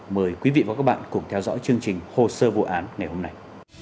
mời quý vị và các bạn cùng theo dõi chương trình hồ sơ vụ án ngày hôm nay